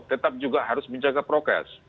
tetap juga harus menjaga prokes